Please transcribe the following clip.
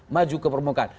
maju ke permukaan